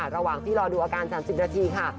ระหว่างที่รอดูอาการ๓๐นาทีค่ะ